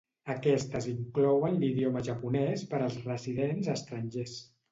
Aquestes inclouen l'idioma japonès per als residents estrangers.